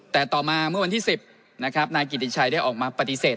แต่ต่อมาเมื่อวันที่๑๐นะครับนายกิติชัยได้ออกมาปฏิเสธ